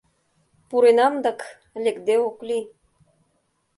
Пуренам дак, лекде ок лий.